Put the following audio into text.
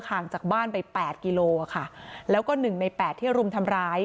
ห่างจากบ้านไป๘กิโลกรัมค่ะแล้วก็๑ใน๘ที่รุมทำร้าย